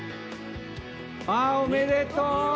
おめでとう！